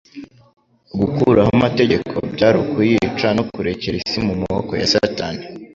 Gukuraho amategeko, byari ukuyica no kurekera isi mu maboko ya Satani.